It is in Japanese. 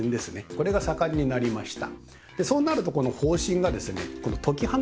これが盛んになりました。